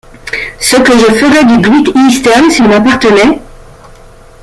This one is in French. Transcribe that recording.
ce que je ferais du Great-Eastern s’il m’appartenait?